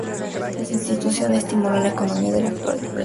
La institución estimuló la economía al actuar de prestamista público.